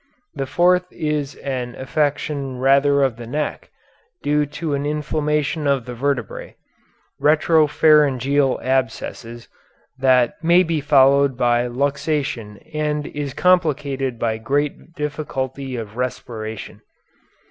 The fourth is an affection rather of the neck, due to an inflammation of the vertebræ retropharyngeal abscess that may be followed by luxation and is complicated by great difficulty of respiration.